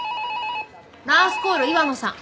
ナースコール岩野さん。